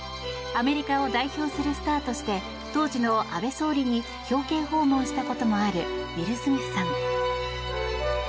アメリカを代表するスターとして当時の安倍総理に表敬訪問したこともあるウィル・スミスさん。